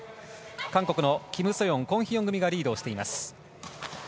韓国のキム・ソヨン、コン・ヒヨン組がリードしています。